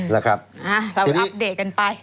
เราอัปเดตกันไป